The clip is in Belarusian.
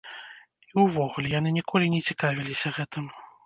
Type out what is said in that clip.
І ўвогуле, яны ніколі не цікавіліся гэтым.